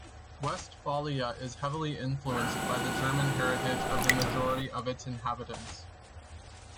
Westphalia is heavily influenced by the German heritage of the majority of its inhabitants.